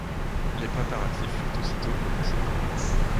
Les préparatifs furent aussitôt commencés.